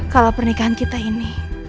kalau pernikahan kita ini